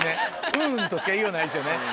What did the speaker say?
「うん」としか言いようないですよね。